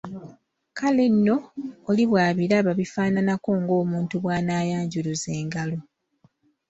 Kale nno oli bw’abiraba bifaananako ng’omuntu bw’anaayanjuluza engalo.